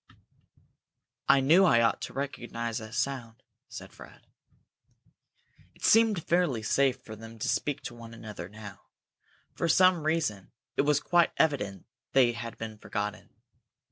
"I knew I ought to recognize that sound!" said Fred. It seemed fairly safe for them to speak to one another now. For some reason it was quite evident they had been forgotten.